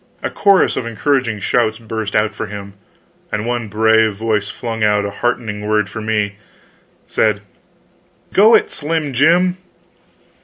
A chorus of encouraging shouts burst out for him, and one brave voice flung out a heartening word for me said: "Go it, slim Jim!"